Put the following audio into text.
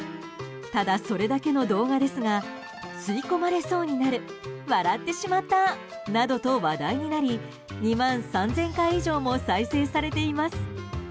ただ、それだけの動画ですが吸い込まれそうになる笑ってしまったなどと話題になり２万３０００回以上も再生されています。